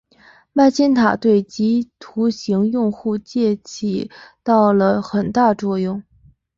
麦金塔对普及图形用户界面起到了很大作用。